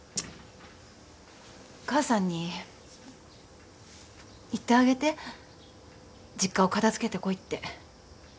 母さんに言ってあげて実家を片付けてこいって。